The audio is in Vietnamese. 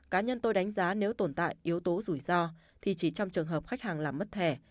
cá nhân tôi đánh giá nếu tồn tại yếu tố rủi ro thì chỉ trong trường hợp khách hàng làm mất thẻ